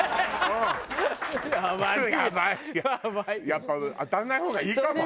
やっぱ当たんない方がいいかも。